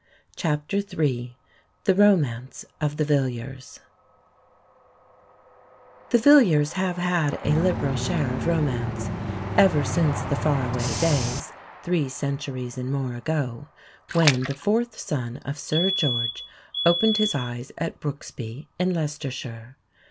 CHAPTER III THE ROMANCE OF THE VILLIERS The Villiers have had a liberal share of romance, ever since the far away days, three centuries and more ago, when the fourth son of Sir George opened his eyes at Brookesby, in Leicestershire.